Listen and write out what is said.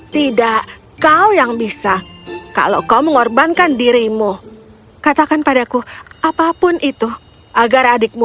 tidak kau yang bisa kalau kau mengorbankan dirimu katakan padaku apapun itu agar adikmu